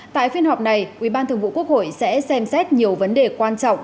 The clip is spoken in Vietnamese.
tại phiên họp này ủy ban thường vụ quốc hội sẽ xem xét nhiều vấn đề quan trọng